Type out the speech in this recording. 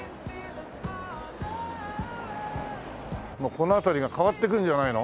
この辺りが変わってくるんじゃないの？